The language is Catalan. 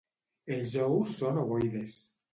Els ous són ovoides.